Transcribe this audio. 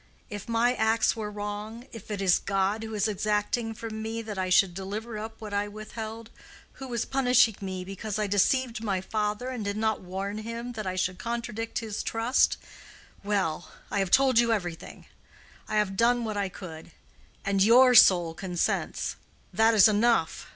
If my acts were wrong—if it is God who is exacting from me that I should deliver up what I withheld—who is punishing me because I deceived my father and did not warn him that I should contradict his trust—well, I have told everything. I have done what I could. And your soul consents. That is enough.